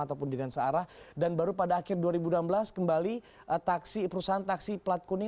ataupun dengan searah dan baru pada akhir dua ribu enam belas kembali perusahaan taksi plat kuning